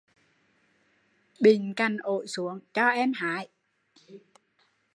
Bịn cành ổi xuống cho em hái